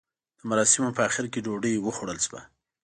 د مراسیمو په اخر کې ډوډۍ وخوړل شوه.